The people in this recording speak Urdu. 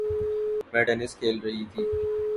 میں ٹینس کھیل رہی تھی